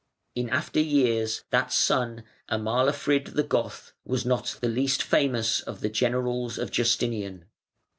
In after years that son, "Amalafrid the Goth", was not the least famous of the generals of Justinian.